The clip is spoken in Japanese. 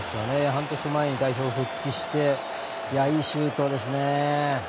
半年前に代表復帰していいシュートですね。